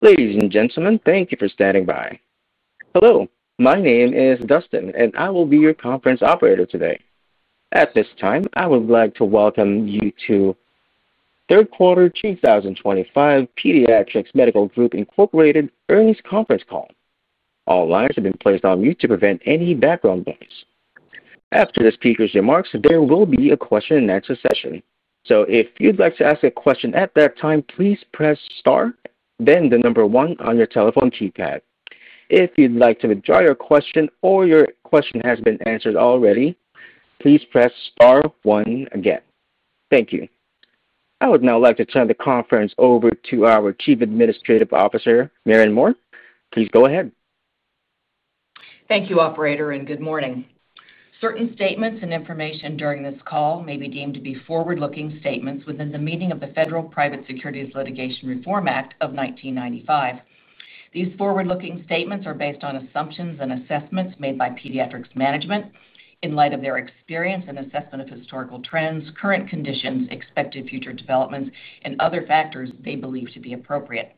Ladies and gentlemen, thank you for standing by. Hello, my name is Dustin, and I will be your conference operator today. At this time, I would like to welcome you to the Third Quarter 2025 Pediatrix Medical Group, Incorporated Earnings Conference Call. All lines have been placed on mute to prevent any background noise. After the speaker's remarks, there will be a question-and-answer session. If you'd like to ask a question at that time, please press star, then the number one on your telephone keypad. If you'd like to withdraw your question or your question has been answered already, please press star one again. Thank you. I would now like to turn the conference over to our Chief Administrative Officer, Mary Ann Moore. Please go ahead. Thank you, operator, and good morning. Certain statements and information during this call may be deemed to be forward-looking statements within the meaning of the Federal Private Securities Litigation Reform Act of 1995. These forward-looking statements are based on assumptions and assessments made by Pediatrix management in light of their experience and assessment of historical trends, current conditions, expected future developments, and other factors they believe to be appropriate.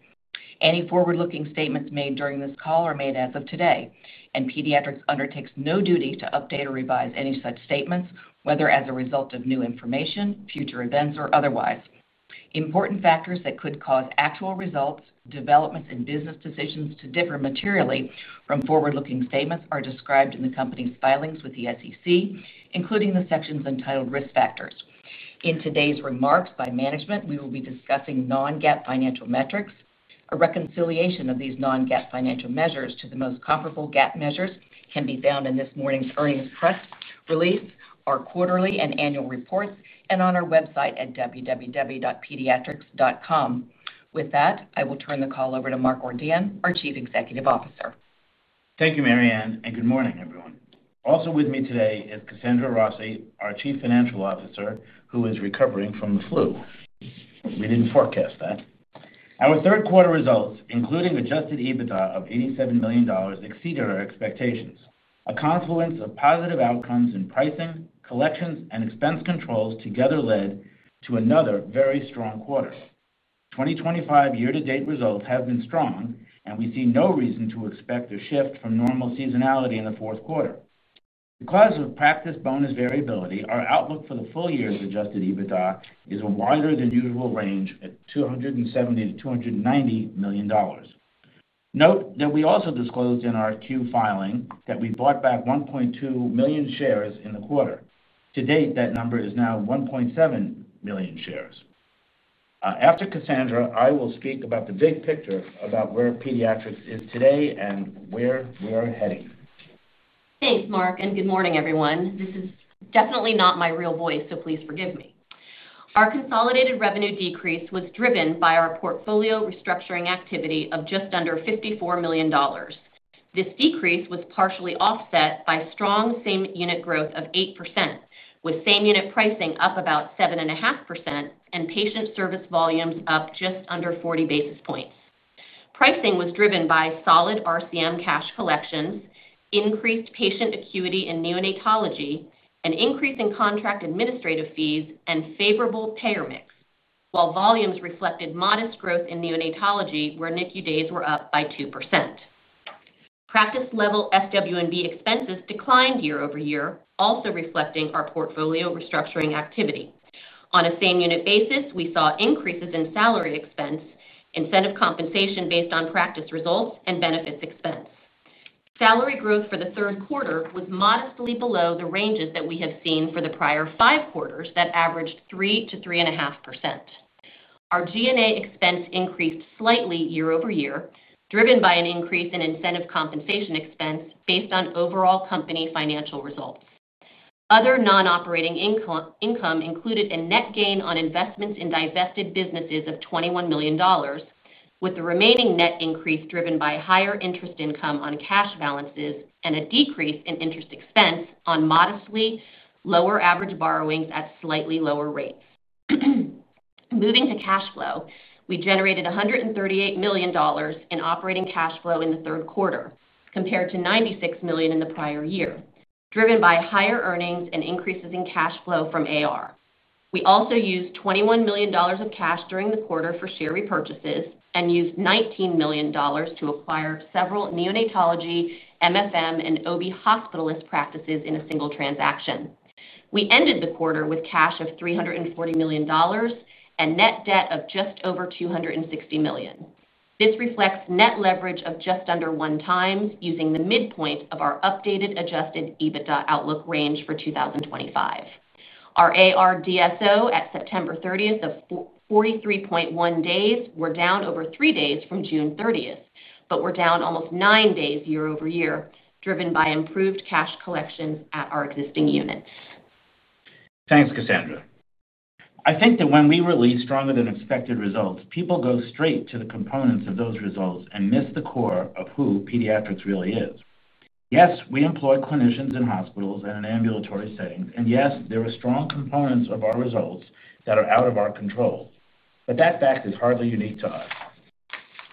Any forward-looking statements made during this call are made as of today, and Pediatrix undertakes no duty to update or revise any such statements, whether as a result of new information, future events, or otherwise. Important factors that could cause actual results, developments, and business decisions to differ materially from forward-looking statements are described in the company's filings with the SEC, including the sections entitled Risk Factors. In today's remarks by management, we will be discussing non-GAAP financial metrics. A reconciliation of these non-GAAP financial measures to the most comparable GAAP measures can be found in this morning's earnings release, our quarterly and annual reports, and on our website at www.pediatrix.com. With that, I will turn the call over to Mark Ordan, our Chief Executive Officer. Thank you, Mary Ann, and good morning, everyone. Also with me today is Kasandra Rossi, our Chief Financial Officer, who is recovering from the flu. We did not forecast that. Our third quarter results, including adjusted EBITDA of $87 million, exceeded our expectations. A confluence of positive outcomes in pricing, collections, and expense controls together led to another very strong quarter. 2025 year-to-date results have been strong, and we see no reason to expect a shift from normal seasonality in the fourth quarter. Because of practice bonus variability, our outlook for the full year's adjusted EBITDA is a wider than usual range at $270 million-$290 million. Note that we also disclosed in our Q filing that we bought back 1.2 million shares in the quarter. To date, that number is now 1.7 million shares. After Kasandra, I will speak about the big picture about where Pediatrix is today and where we are heading. Thanks, Mark, and good morning, everyone. This is definitely not my real voice, so please forgive me. Our consolidated revenue decrease was driven by our portfolio restructuring activity of just under $54 million. This decrease was partially offset by strong same-unit growth of 8%, with same-unit pricing up about 7.5% and patient service volumes up just under 40 basis points. Pricing was driven by solid RCM cash collections, increased patient acuity in neonatology, an increase in contract administrative fees, and favorable payer mix, while volumes reflected modest growth in neonatology where NICU days were up by 2%. Practice-level SW&B expenses declined year-over-year, also reflecting our portfolio restructuring activity. On a same-unit basis, we saw increases in salary expense, incentive compensation based on practice results, and benefits expense. Salary growth for the third quarter was modestly below the ranges that we have seen for the prior five quarters that averaged 3%-3.5%. Our G&A expense increased slightly year-over-year, driven by an increase in incentive compensation expense based on overall company financial results. Other non-operating income included a net gain on investments in divested businesses of $21 million, with the remaining net increase driven by higher interest income on cash balances and a decrease in interest expense on modestly lower average borrowings at slightly lower rates. Moving to cash flow, we generated $138 million in operating cash flow in the third quarter, compared to $96 million in the prior year, driven by higher earnings and increases in cash flow from AR. We also used $21 million of cash during the quarter for share repurchases and used $19 million to acquire several neonatology, MFM, and OB hospitalist practices in a single transaction. We ended the quarter with cash of $340 million. Net debt of just over $260 million. This reflects net leverage of just under 1x using the midpoint of our updated adjusted EBITDA outlook range for 2025. Our ARDSO at September 30th of 43.1 days were down over three days from June 30th, but were down almost nine days year-over-year, driven by improved cash collections at our existing unit. Thanks, Kasandra. I think that when we release stronger than expected results, people go straight to the components of those results and miss the core of who Pediatrix really is. Yes, we employ clinicians in hospitals and in ambulatory settings, and yes, there are strong components of our results that are out of our control, but that fact is hardly unique to us.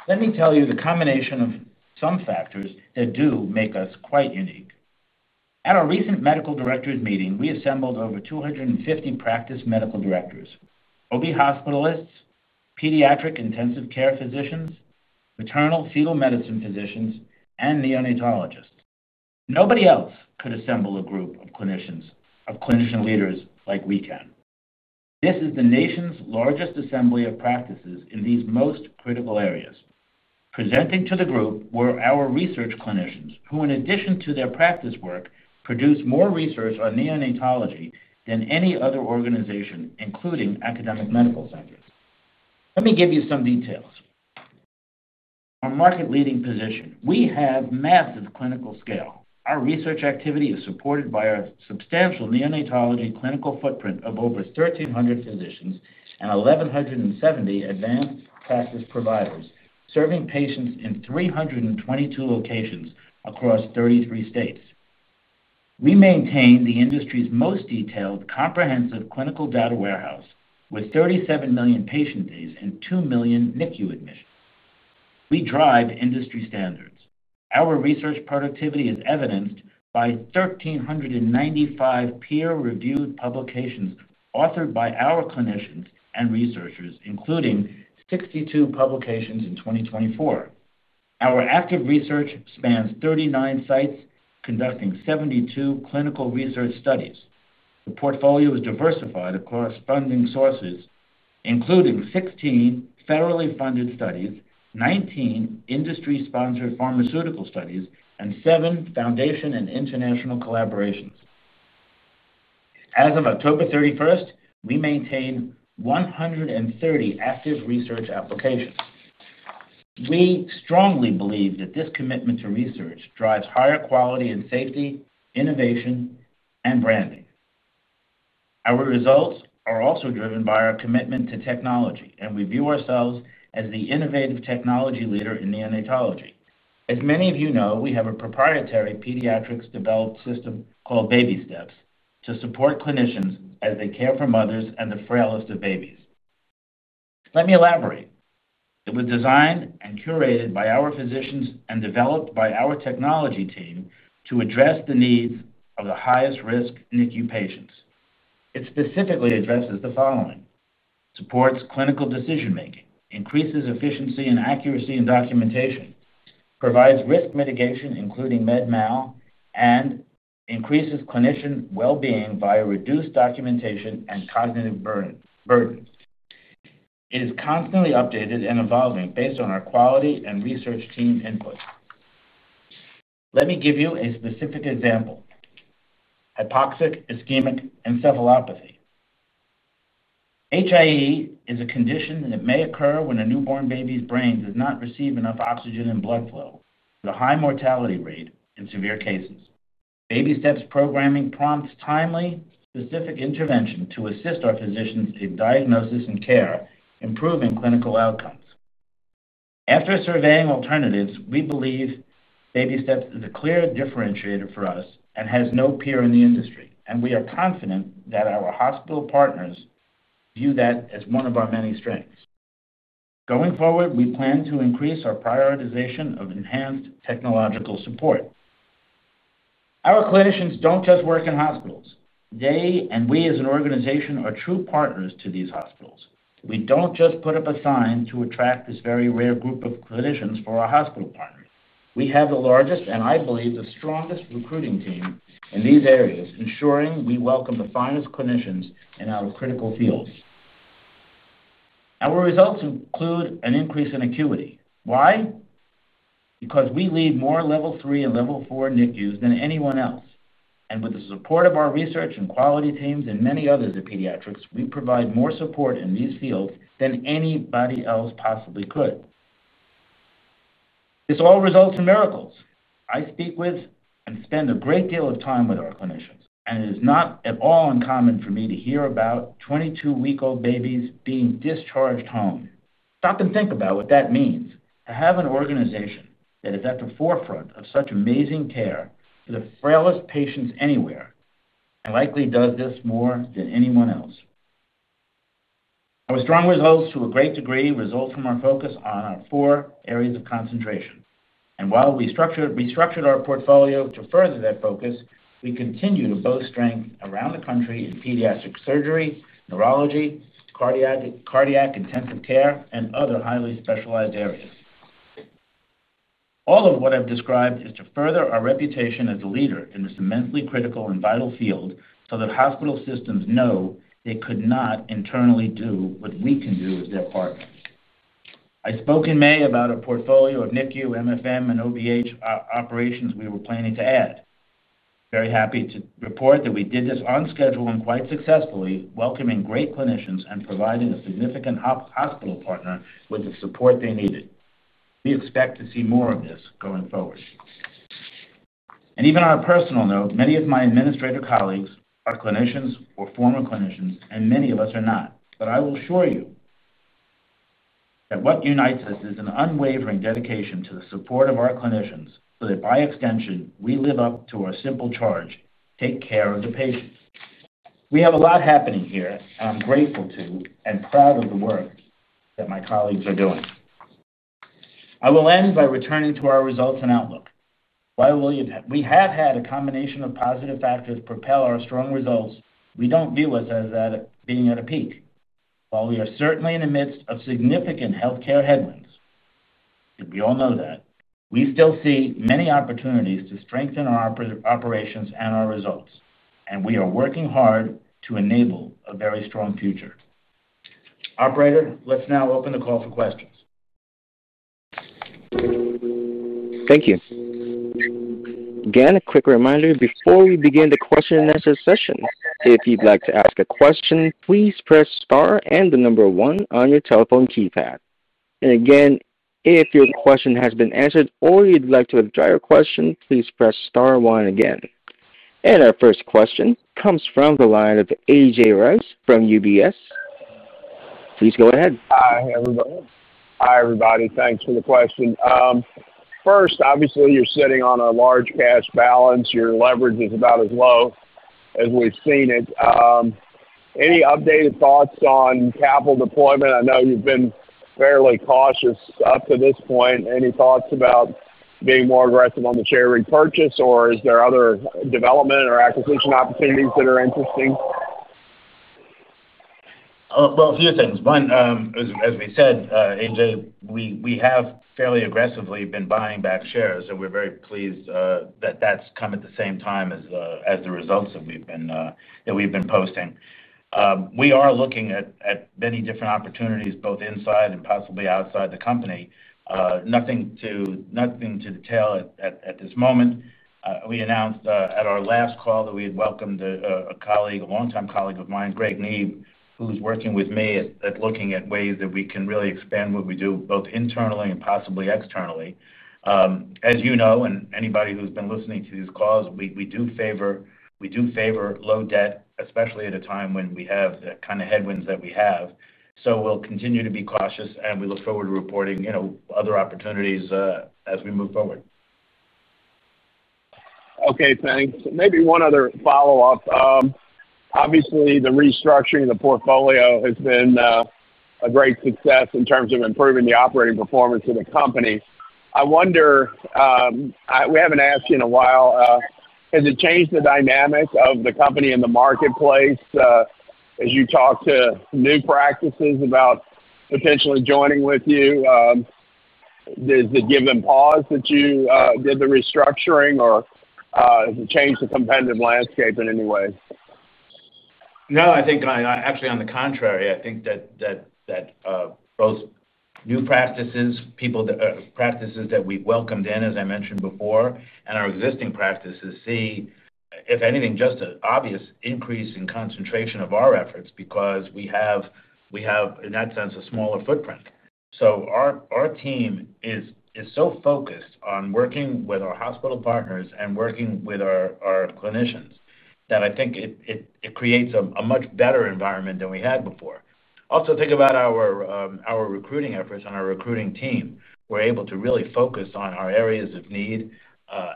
Let me tell you the combination of some factors that do make us quite unique. At our recent medical directors meeting, we assembled over 250 practice medical directors, OB hospitalists, pediatric intensive care physicians, maternal-fetal medicine physicians, and neonatologists. Nobody else could assemble a group of clinician leaders like we can. This is the nation's largest assembly of practices in these most critical areas. Presenting to the group were our research clinicians who, in addition to their practice work, produce more research on neonatology than any other organization, including academic medical centers. Let me give you some details. Our market-leading position. We have massive clinical scale. Our research activity is supported by our substantial neonatology clinical footprint of over 1,300 physicians and 1,170 advanced practice providers serving patients in 322 locations across 33 states. We maintain the industry's most detailed comprehensive clinical data warehouse with 37 million patient days and 2 million NICU admissions. We drive industry standards. Our research productivity is evidenced by 1,395 peer-reviewed publications authored by our clinicians and researchers, including 62 publications in 2024. Our active research spans 39 sites conducting 72 clinical research studies. The portfolio is diversified across funding sources, including 16 federally funded studies, 19 industry-sponsored pharmaceutical studies, and 7 foundation and international collaborations. As of October 31st, we maintain 130 active research applications. We strongly believe that this commitment to research drives higher quality and safety, innovation, and branding. Our results are also driven by our commitment to technology, and we view ourselves as the innovative technology leader in neonatology. As many of you know, we have a proprietary Pediatrix-developed system called BabySteps to support clinicians as they care for mothers and the frailest of babies. Let me elaborate. It was designed and curated by our physicians and developed by our technology team to address the needs of the highest-risk NICU patients. It specifically addresses the following, supports clinical decision-making, increases efficiency and accuracy in documentation, provides risk mitigation, including med mal, and increases clinician well-being via reduced documentation and cognitive burden. It is constantly updated and evolving based on our quality and research team input. Let me give you a specific example. Hypoxic ischemic encephalopathy, HIE is a condition that may occur when a newborn baby's brain does not receive enough oxygen and blood flow, with a high mortality rate in severe cases. BabySteps programming prompts timely, specific intervention to assist our physicians in diagnosis and care, improving clinical outcomes. After surveying alternatives, we believe BabySteps is a clear differentiator for us and has no peer in the industry, and we are confident that our hospital partners view that as one of our many strengths. Going forward, we plan to increase our prioritization of enhanced technological support. Our clinicians do not just work in hospitals, they and we, as an organization, are true partners to these hospitals. We do not just put up a sign to attract this very rare group of clinicians for our hospital partners. We have the largest, and I believe the strongest recruiting team in these areas, ensuring we welcome the finest clinicians in our critical fields. Our results include an increase in acuity. Why? Because we lead more level three and level four NICUs than anyone else. With the support of our research and quality teams and many others at Pediatrix, we provide more support in these fields than anybody else possibly could. This all results in miracles. I speak with and spend a great deal of time with our clinicians, and it is not at all uncommon for me to hear about 22-week-old babies being discharged home. Stop and think about what that means to have an organization that is at the forefront of such amazing care for the frailest patients anywhere, and likely does this more than anyone else. Our strong results, to a great degree, result from our focus on our four areas of concentration. While we restructured our portfolio to further that focus, we continue to build strength around the country in pediatric surgery, neurology, cardiac intensive care, and other highly specialized areas. All of what I have described is to further our reputation as a leader in this immensely critical and vital field so that hospital systems know they could not internally do what we can do as their partners. I spoke in May about a portfolio of NICU, MFM, and OB hospitalist operations we were planning to add. Very happy to report that we did this on schedule and quite successfully, welcoming great clinicians and providing a significant hospital partner with the support they needed. We expect to see more of this going forward. Even on a personal note, many of my administrator colleagues are clinicians or former clinicians, and many of us are not. I will assure you that what unites us is an unwavering dedication to the support of our clinicians so that by extension, we live up to our simple charge, take care of the patients. We have a lot happening here, and I am grateful to and proud of the work that my colleagues are doing. I will end by returning to our results and outlook. While we have had a combination of positive factors propel our strong results, we do not view us as being at a peak. While we are certainly in the midst of significant healthcare headwinds. We all know that, we still see many opportunities to strengthen our operations and our results, and we are working hard to enable a very strong future. Operator, let's now open the call for questions. Thank you. Again, a quick reminder before we begin the question-and-answer session. If you'd like to ask a question, please press star and the number one on your telephone keypad. If your question has been answered or you'd like to withdraw your question, please press star one again. Our first question comes from the line of A.J. Rice from UBS. Please go ahead. Hi, everybody. Thanks for the question. First, obviously, you're sitting on a large cash balance. Your leverage is about as low as we've seen it. Any updated thoughts on capital deployment? I know you've been fairly cautious up to this point. Any thoughts about being more aggressive on the share repurchase, or is there other development or acquisition opportunities that are interesting? A few things. One, as we said, A.J., we have fairly aggressively been buying back shares, and we're very pleased that that's come at the same time as the results that we've been posting. We are looking at many different opportunities, both inside and possibly outside the company. Nothing to tell at this moment. We announced at our last call that we had welcomed a colleague, a longtime colleague of mine, Greg Neeb, who's working with me at looking at ways that we can really expand what we do both internally and possibly externally. As you know, and anybody who's been listening to these calls, we do favor low debt, especially at a time when we have the kind of headwinds that we have. We will continue to be cautious, and we look forward to reporting other opportunities as we move forward. Okay, thanks. Maybe one other follow-up. Obviously, the restructuring of the portfolio has been a great success in terms of improving the operating performance of the company. I wonder, we haven't asked you in a while, has it changed the dynamic of the company and the marketplace? As you talk to new practices about potentially joining with you, does it give them pause that you did the restructuring, or has it changed the competitive landscape in any way? No, I think actually, on the contrary, I think that both new practices, people that we've welcomed in, as I mentioned before, and our existing practices see, if anything, just an obvious increase in concentration of our efforts because we have, in that sense, a smaller footprint. Our team is so focused on working with our hospital partners and working with our clinicians that I think it creates a much better environment than we had before. Also, think about our recruiting efforts and our recruiting team. We're able to really focus on our areas of need,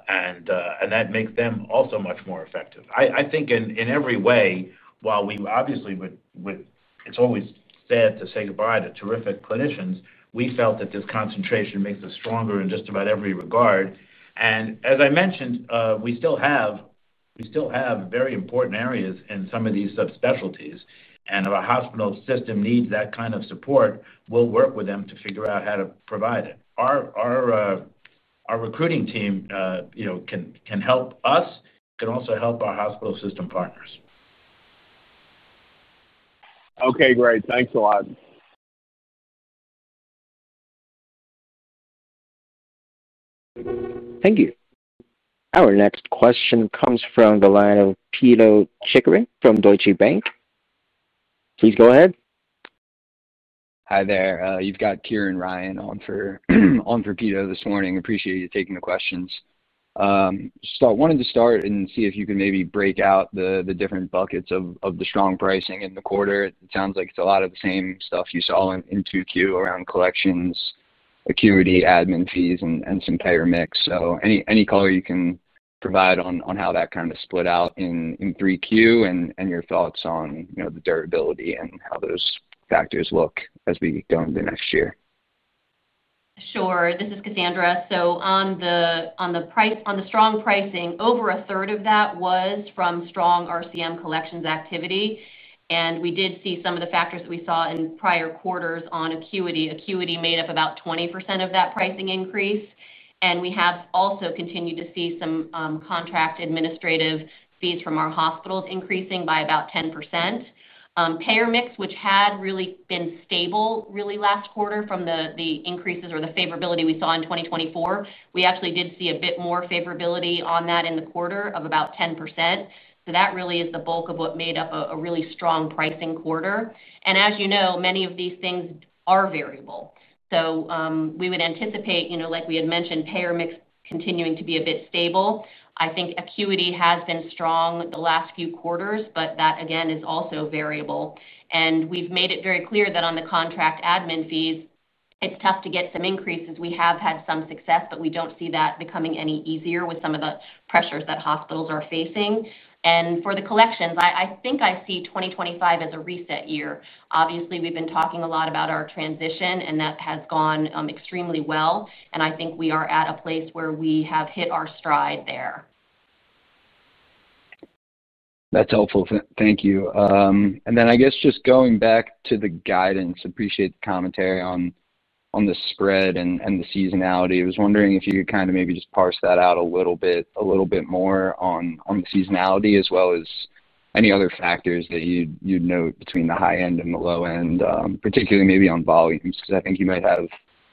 and that makes them also much more effective. I think in every way, while we obviously would—it's always sad to say goodbye to terrific clinicians, we felt that this concentration makes us stronger in just about every regard. As I mentioned, we still have very important areas in some of these subspecialties. If our hospital system needs that kind of support, we'll work with them to figure out how to provide it. Our recruiting team can help us, can also help our hospital system partners. Okay, great. Thanks a lot. Thank you. Our next question comes from the line of Pito Chickering from Deutsche Bank. Please go ahead. Hi there. You've got Kieran Ryan on for Pito this morning. Appreciate you taking the questions. I wanted to start and see if you could maybe break out the different buckets of the strong pricing in the quarter. It sounds like it's a lot of the same stuff you saw in 2Q around collections, acuity, admin fees, and some payer mix. Any color you can provide on how that kind of split out in 3Q and your thoughts on the durability and how those factors look as we go into next year. Sure. This is Kasandra. On the strong pricing, over a third of that was from strong RCM collections activity. We did see some of the factors that we saw in prior quarters on acuity. Acuity made up about 20% of that pricing increase. We have also continued to see some contract administrative fees from our hospitals increasing by about 10%. Payer mix, which had really been stable last quarter from the increases or the favorability we saw in 2024, we actually did see a bit more favorability on that in the quarter of about 10%. That really is the bulk of what made up a really strong pricing quarter. As you know, many of these things are variable. We would anticipate, like we had mentioned, payer mix continuing to be a bit stable. I think acuity has been strong the last few quarters, but that, again, is also variable. We have made it very clear that on the contract admin fees, it is tough to get some increases. We have had some success, but we do not see that becoming any easier with some of the pressures that hospitals are facing. For the collections, I think I see 2025 as a reset year. Obviously, we have been talking a lot about our transition, and that has gone extremely well. I think we are at a place where we have hit our stride there. That's helpful. Thank you. I guess just going back to the guidance, appreciate the commentary on the spread and the seasonality. I was wondering if you could kind of maybe just parse that out a little bit more on the seasonality as well as any other factors that you'd note between the high end and the low end, particularly maybe on volumes, because I think you might have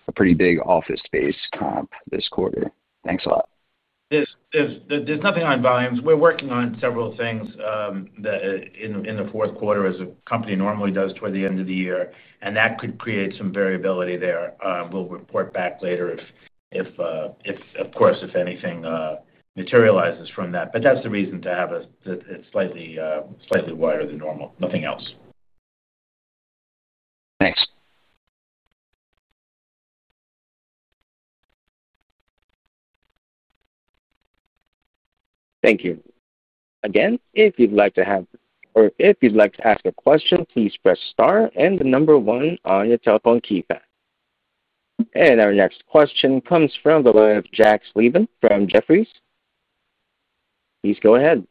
a pretty big office space comp this quarter. Thanks a lot. There's nothing on volumes. We're working on several things. In the fourth quarter as a company normally does toward the end of the year, and that could create some variability there. We'll report back later if, of course, if anything materializes from that. That's the reason to have it slightly wider than normal. Nothing else. Thanks. Thank you. Again, if you'd like to have, or if you'd like to ask a question, please press star and the number one on your telephone keypad. Our next question comes from the line of Jack Slevin from Jefferies. Please go ahead.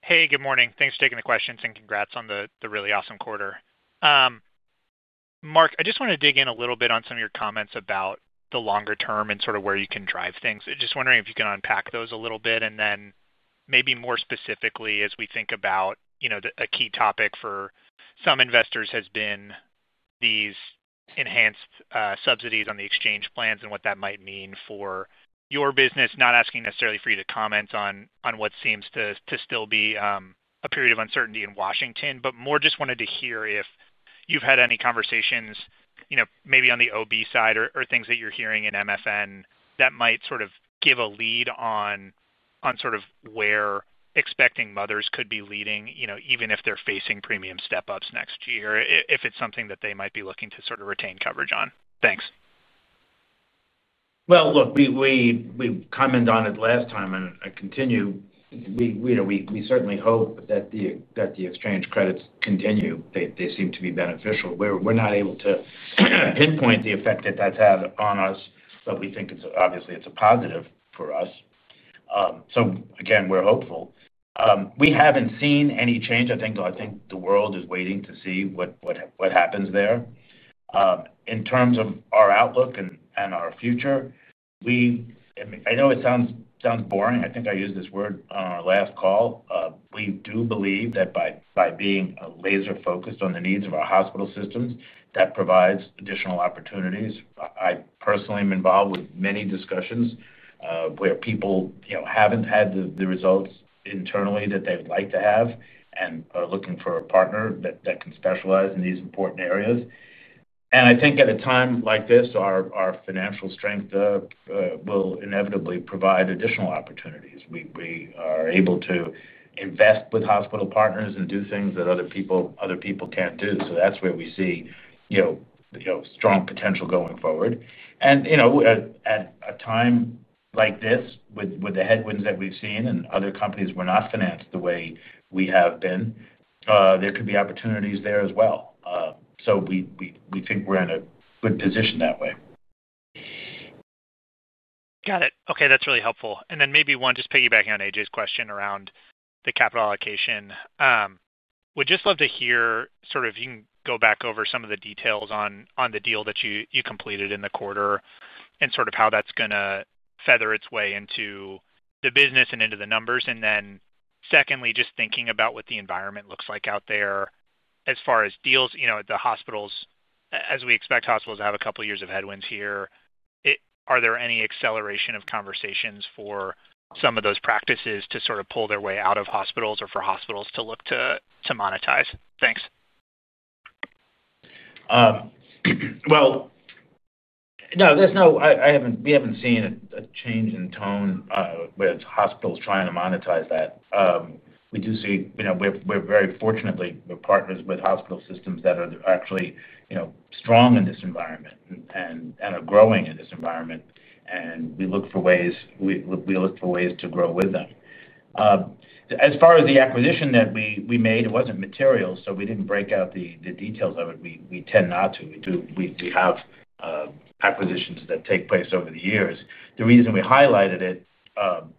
Hey, good morning. Thanks for taking the questions and congrats on the really awesome quarter. Mark, I just want to dig in a little bit on some of your comments about the longer term and sort of where you can drive things. Just wondering if you can unpack those a little bit and then maybe more specifically as we think about a key topic for some investors has been these enhanced subsidies on the exchange plans and what that might mean for your business. Not asking necessarily for you to comment on what seems to still be a period of uncertainty in Washington, but more just wanted to hear if you've had any conversations maybe on the OB side or things that you're hearing in MFM that might sort of give a lead on sort of where expecting mothers could be leading, even if they're facing premium step-ups next year, if it's something that they might be looking to sort of retain coverage on. Thanks. Look, we commented on it last time and I continue. We certainly hope that the exchange credits continue. They seem to be beneficial. We're not able to pinpoint the effect that that's had on us, but we think obviously it's a positive for us. Again, we're hopeful. We haven't seen any change. I think the world is waiting to see what happens there. In terms of our outlook and our future, I know it sounds boring. I think I used this word on our last call. We do believe that by being laser-focused on the needs of our hospital systems, that provides additional opportunities. I personally am involved with many discussions where people haven't had the results internally that they'd like to have and are looking for a partner that can specialize in these important areas. I think at a time like this, our financial strength will inevitably provide additional opportunities. We are able to invest with hospital partners and do things that other people can't do. That's where we see strong potential going forward. At a time like this, with the headwinds that we've seen and other companies were not financed the way we have been, there could be opportunities there as well. We think we're in a good position that way. Got it. Okay. That's really helpful. Maybe one, just piggybacking on A.J.'s question around the capital allocation. We'd just love to hear, sort of, if you can go back over some of the details on the deal that you completed in the quarter and sort of how that's going to feather its way into the business and into the numbers. Secondly, just thinking about what the environment looks like out there as far as deals at the hospitals. As we expect hospitals to have a couple of years of headwinds here, are there any acceleration of conversations for some of those practices to sort of pull their way out of hospitals or for hospitals to look to monetize? Thanks. No, we haven't seen a change in tone with hospitals trying to monetize that. We do see, we're very fortunate, we're partners with hospital systems that are actually strong in this environment and are growing in this environment. We look for ways, we look for ways to grow with them. As far as the acquisition that we made, it wasn't material, so we didn't break out the details of it. We tend not to. We have acquisitions that take place over the years. The reason we highlighted it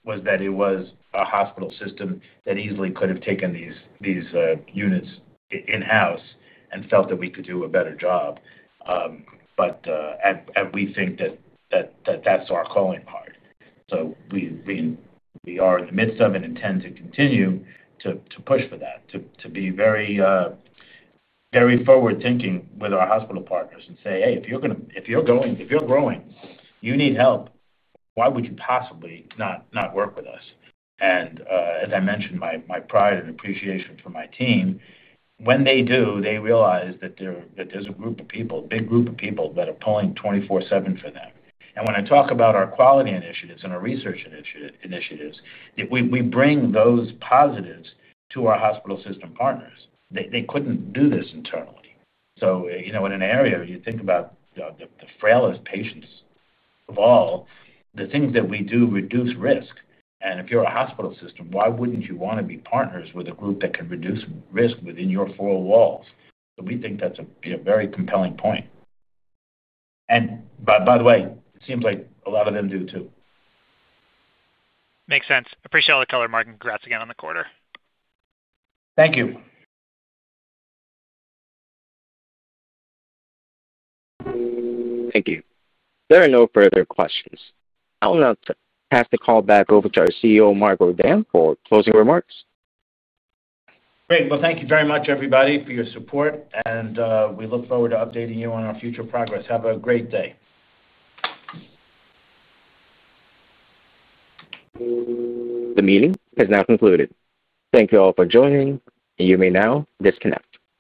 was that it was a hospital system that easily could have taken these units in-house and felt that we could do a better job. We think that that's our calling card. We are in the midst of it and intend to continue to push for that, to be very forward-thinking with our hospital partners and say, "Hey, if you're going, if you're growing, you need help, why would you possibly not work with us?" As I mentioned, my pride and appreciation for my team, when they do, they realize that there's a group of people, a big group of people that are pulling 24/7 for them. When I talk about our quality initiatives and our research initiatives, we bring those positives to our hospital system partners. They couldn't do this internally. In an area, you think about the frailest patients of all, the things that we do reduce risk. If you're a hospital system, why wouldn't you want to be partners with a group that can reduce risk within your four walls? We think that's a very compelling point. By the way, it seems like a lot of them do too. Makes sense. Appreciate all the color, Mark. And congrats again on the quarter. Thank you. Thank you. There are no further questions. I'll now pass the call back over to our CEO, Mark Ordan, for closing remarks. Great. Thank you very much, everybody, for your support. We look forward to updating you on our future progress. Have a great day. The meeting has now concluded. Thank you all for joining, and you may now disconnect.